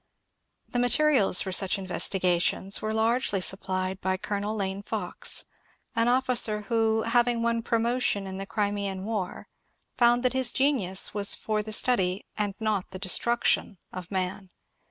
The materials for such investigations were largely supplied by Colonel Lane Fox, an ofiBcer who, having won promotion in the Crimean war, found that his genius was for the study and not the destruction of man.